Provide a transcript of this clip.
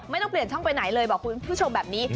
ไม่ต้องเปลี่ยนช่องไปไหนเลยบอกคุณผู้ชมแบบนี้